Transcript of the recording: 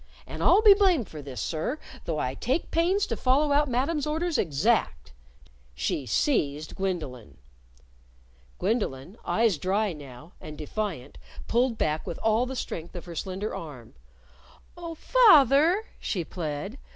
And I'll be blamed for this, sir, though I take pains to follow out Madam's orders exact," She seized Gwendolyn. Gwendolyn, eyes dry now, and defiant, pulled back with all the strength of her slender arm. "Oh, fath er!" she plead.